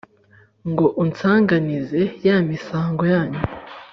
Ngo unsanganize ya misango yanyu